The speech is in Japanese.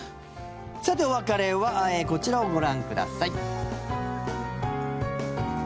さて、お別れはこちらをご覧ください。